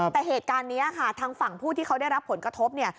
แต่เหตุการณ์นี้ค่ะทางฝั่งผู้ที่เขาได้รับผลกระทบเนี่ย